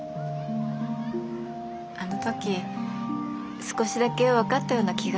あの時少しだけ分かったような気がしたんです。